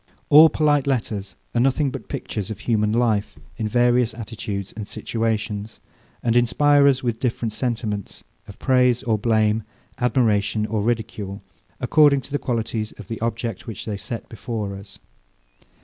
All polite letters are nothing but pictures of human life in various attitudes and situations; and inspire us with different sentiments, of praise or blame, admiration or ridicule, according to the qualities of the object, which they set before us.